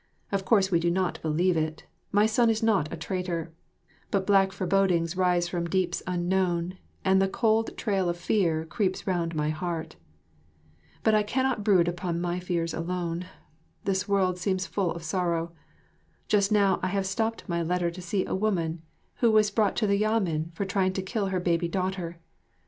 Of course we do not believe it, my son is not a traitor; but black forebodings rise from deeps unknown and the cold trail of fear creeps round my heart. But I cannot brood upon my fears alone; this world seems full of sorrow. Just now I have stopped my letter to see a woman who was brought to the Yamen for trying to kill her baby daughter.